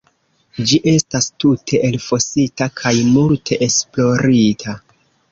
Ĝi estas tute elfosita kaj multe esplorita.